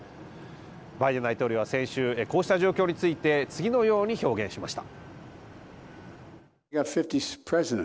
バイデン大統領は先週こうした状況について次のように表現しました。